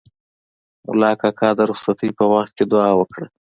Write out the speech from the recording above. ملا کاکا د رخصتۍ په وخت کې دوعا وکړه.